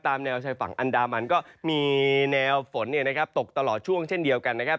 แนวชายฝั่งอันดามันก็มีแนวฝนตกตลอดช่วงเช่นเดียวกันนะครับ